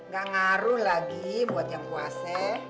gak ngaruh lagi buat yang kuasa